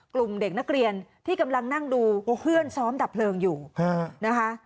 กลุ่มเด็กนักเรียนที่กำลังนั่งดูเพื่อนซ้อมดับเพลิงอยู่นะคะ